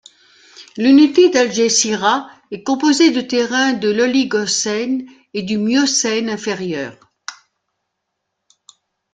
L'unité d'Algésiras est composée de terrains de l'Oligocène et du Miocène inférieur.